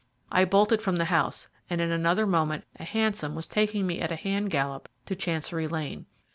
I bolted from the house, and in another moment a hansom was taking me at a hand gallop to Chancery Lane.